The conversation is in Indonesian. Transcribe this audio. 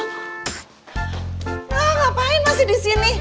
ngapain masih di sini